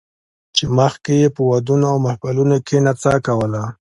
چې مخکې یې په ودونو او محفلونو کې نڅا کوله